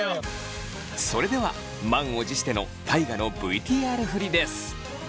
それでは満を持しての大我のＶＴＲ振りです。